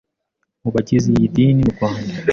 mu bagize iyi dini mu Rwanda,